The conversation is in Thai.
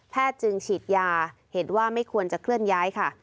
จึงฉีดยาเห็นว่าไม่ควรจะเคลื่อนย้ายค่ะ